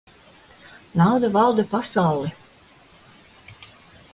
Nauda valda pasauli.